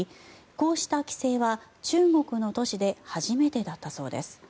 こうした規制は中国の都市で初めてだったそうです。